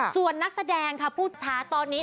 ส่วนนักแสดงค่ะผู้ท้าตอนนี้